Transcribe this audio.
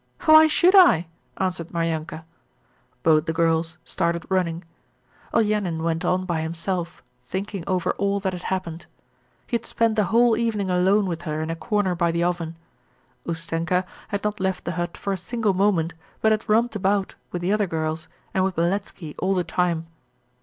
'Why should I!' answered Maryanka. Both the girls started running. Olenin went on by himself thinking over all that had happened. He had spent the whole evening alone with her in a corner by the oven. Ustenka had not left the hut for a single moment, but had romped about with the other girls and with Beletski all the time.